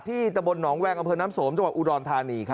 ที่ตะบลหนองแวงกระเภทน้ำโสมจังหวัดอุดรทานีครับ